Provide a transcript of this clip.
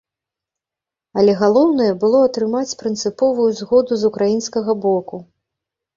Але галоўнае было атрымаць прынцыповую згоду з украінскага боку.